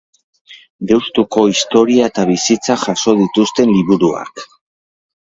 Deustuko historia eta bizitza jaso dituzten liburuak.